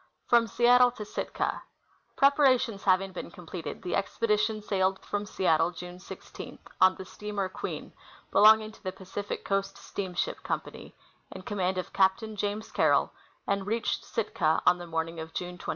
Fkom Seattle to Sitka. Preparations having been completed, the expedition sailed from Seattle June 16, on the steamer Queen, belonging to the Pacific Coast Steamship Company, in command of Captain James Carroll, and reached Sitka on the morning of June 24.